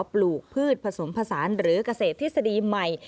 ปลูกพืชผสมผสานหรือเกษตรทฤษฎีใหม่